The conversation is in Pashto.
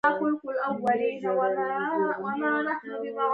د رښتيا ويلو په ارزښت پوهېدل.